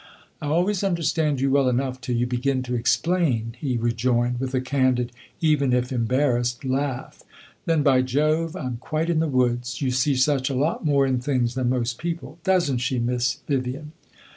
"I always understand you well enough till you begin to explain," he rejoined, with a candid, even if embarrassed, laugh. "Then, by Jove, I 'm quite in the woods. You see such a lot more in things than most people. Does n't she, Miss Vivian?"